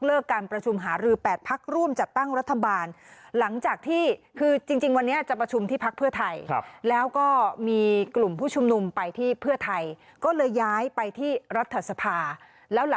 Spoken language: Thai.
แล้วหลังจากนั้นก็เลยเลื่อนไปเลย